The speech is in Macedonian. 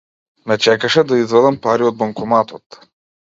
Ме чекаше да извадам пари од банкоматот.